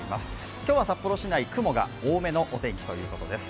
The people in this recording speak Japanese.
今日は札幌市内、雲が多めのお天気ということです。